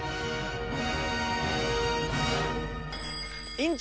院長！